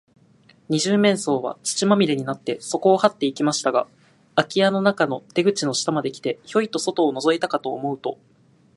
二十面相は、土まみれになって、そこをはっていきましたが、あき家の中の出口の下まで来て、ヒョイと外をのぞいたかと思うと、